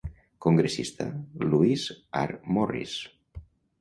Congressista Lewis R. Morris.